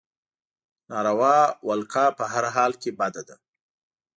ناروا ولکه په هر حال کې بده ده.